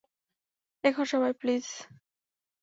এখন, সবাই, প্লিজ!